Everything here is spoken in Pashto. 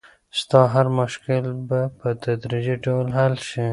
ستا هر مشکل به په تدریجي ډول حل شي.